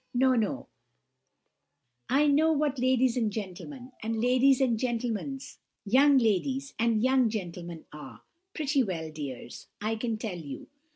No, no, I know what ladies and gentlemen, and ladies' and gentlemen's young ladies and young gentlemen are, pretty well, dears, I can tell you!